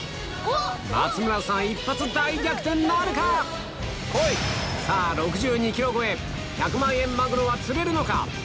松村さん一発大逆転なるか⁉さぁ６２ｋｇ超え１００万円マグロは釣れるのか？